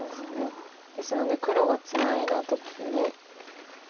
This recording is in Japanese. ですので黒がツナいだ時に。